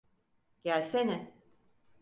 Gelsene.